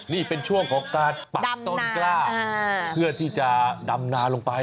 นี่เป็นช่วงของการปักต้นกล้าเพื่อที่จะดำนาลงไป